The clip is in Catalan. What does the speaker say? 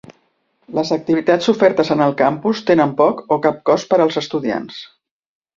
Les activitats ofertes en el campus tenen poc o cap cost per als estudiants.